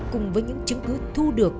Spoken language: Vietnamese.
cùng với những chứng cứ thu được